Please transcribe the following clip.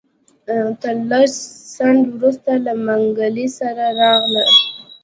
تر لږ ځنډ وروسته له منګلي سره راغله.